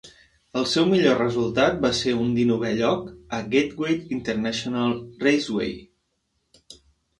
El seu millor resultat va ser un dinovè lloc a Gateway International Raceway.